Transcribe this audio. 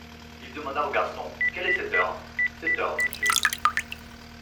Il demanda au garçon : Quelle est cette heure ? Sept heures, monsieur.